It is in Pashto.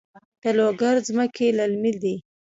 د لوګر ځمکې للمي دي